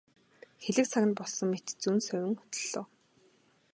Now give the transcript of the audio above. Хэлэх цаг нь болсон мэт зөн совин хөтөллөө.